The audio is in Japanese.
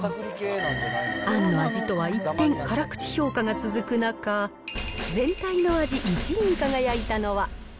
あんの味とは一転、辛口評価が続く中、全体の味１位に輝いたのは。